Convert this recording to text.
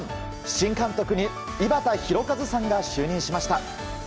新監督に井端弘和さんが就任しました。